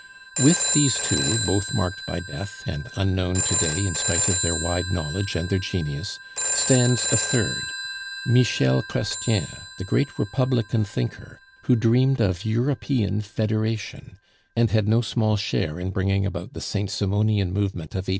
With these two, both marked by death, and unknown to day in spite of their wide knowledge and their genius, stands a third, Michel Chrestien, the great Republican thinker, who dreamed of European Federation, and had no small share in bringing about the Saint Simonian movement of 1830.